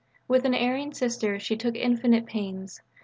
With an erring Sister she took infinite pains.